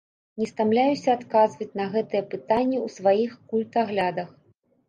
Не стамляюся адказваць на гэтае пытанне ў сваіх культаглядах.